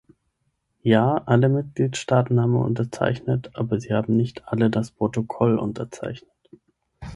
Ja, alle Mitgliedstaaten haben unterzeichnet, aber sie haben nicht alle das Protokoll unterzeichnet.